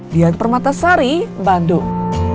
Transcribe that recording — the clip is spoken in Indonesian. di atas permata sari bandung